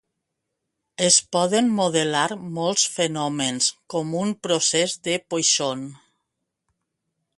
Es poden modelar molts fenòmens com un procés de Poisson.